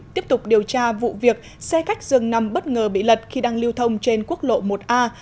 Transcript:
tiếp tục điều tra vụ việc xe khách dường nằm bất ngờ bị lật khi đang lưu thông trên quốc lộ một a